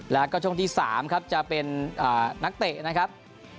แล้วก็ช่วงที่๓ครับจะเป็นนักเตะนะครับ